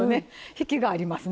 引きがありますね。